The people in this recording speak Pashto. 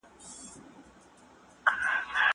زه بايد واښه راوړم؟!